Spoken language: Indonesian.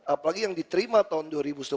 apalagi yang diterima tahun dua ribu sebelas